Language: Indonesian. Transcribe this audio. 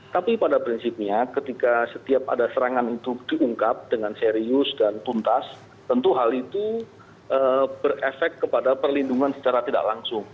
tapi pada prinsipnya ketika setiap ada serangan itu diungkap dengan serius dan tuntas tentu hal itu berefek kepada perlindungan secara tidak langsung